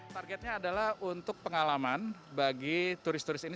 targetnya adalah untuk pengalaman bagi turis turis ini